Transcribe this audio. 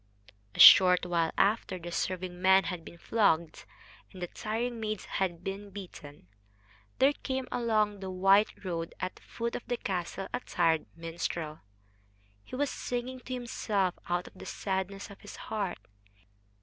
A short while after the serving men had been flogged and the tiring maids had been beaten, there came along the white road at the foot of the castle a tired minstrel. He was singing to himself out of the sadness of his heart.